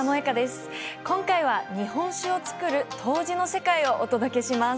今回は日本酒を造る杜氏の世界をお届けします。